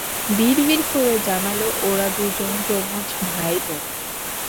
বিড়বিড় করে জানাল ওরা দুজন যমজ ভাই-বোন।